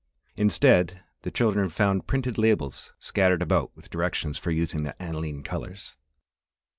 Instead, the children found printed labels scattered about with directions for using the analine colours.